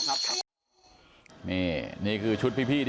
ขอบคุณทุกคน